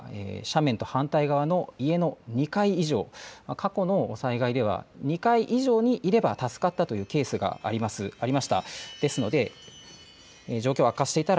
具体的には、斜面と反対側の家の２階以上過去の災害では２階以上にいれば助かったというケースがありました。